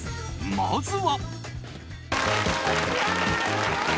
まずは。